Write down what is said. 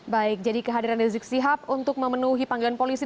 baik jadi kehadiran rizik sihab untuk memenuhi panggilan polisi